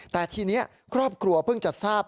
แต่ทีนี้ครอบครัวเพิ่งจะทราบ